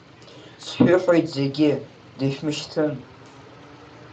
Сшәыҳәоит зегьы, дышәмышьҭын.